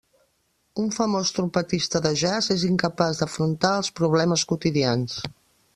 Un famós trompetista de jazz és incapaç d'afrontar els problemes quotidians.